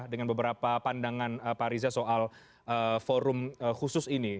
dengan beberapa pandangan pak riza soal forum khusus ini